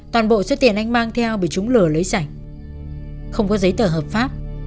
toàn bộ số tiền anh mang theo bị chúng lừa lấy sạch không có giấy tờ hợp pháp